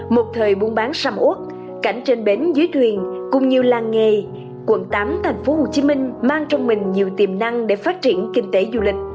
một thời buôn bán xăm út cảnh trên bến dưới thuyền cũng như làng nghề quận tám thành phố hồ chí minh mang trong mình nhiều tiềm năng để phát triển kinh tế du lịch